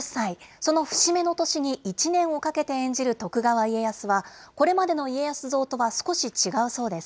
その節目の年に１年をかけて演じる徳川家康は、これまでの家康像とは少し違うそうです。